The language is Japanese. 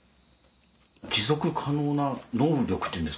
「持続可能な農力」っていうんですかね？